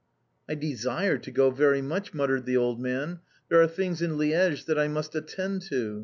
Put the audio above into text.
"I desire to go very much!" muttered the old man. "There are things in Liège that I must attend to.